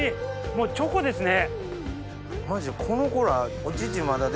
もうチョコですね。